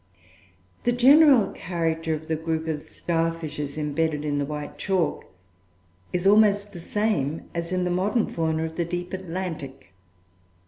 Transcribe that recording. The general character of the group of star fishes imbedded in the white chalk is almost the same as in the modern Fauna of the deep Atlantic.